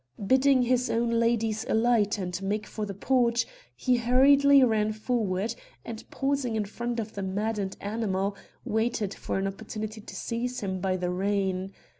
Bidding his own ladies alight and make for the porch, he hurriedly ran forward and, pausing in front of the maddened animal, waited for an opportunity to seize him by the rein.